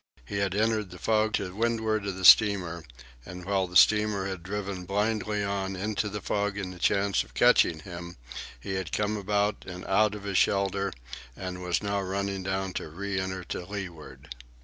He had entered the fog to windward of the steamer, and while the steamer had blindly driven on into the fog in the chance of catching him, he had come about and out of his shelter and was now running down to re enter to leeward.